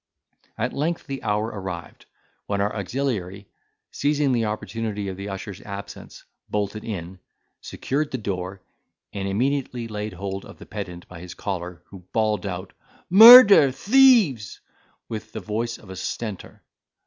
At length the hour arrived, when our auxiliary, seizing the opportunity of the usher's absence, bolted in, secured the door, and immediately laid hold of the pedant by his collar who bawled out, "Murder, Thieves," with the voice of a Stentor.